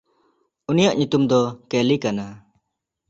ᱩᱱᱤᱭᱟᱜ ᱧᱩᱛᱩᱢ ᱫᱚ ᱠᱮᱞᱤ ᱠᱟᱱᱟ᱾